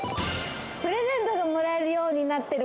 プレゼントがもらえるようになってる。